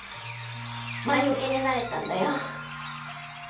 まえむきになれたんだよ。